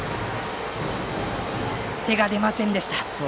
手が出ませんでした。